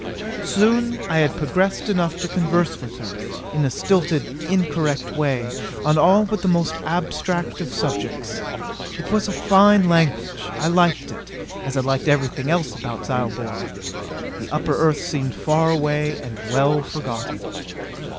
Soon I had progressed enough to converse with her in a stilted, incorrect way on all but the most abstract of subjects. It was a fine language. I liked it, as I liked everything else about Zyobor. The upper earth seemed far away and well forgotten.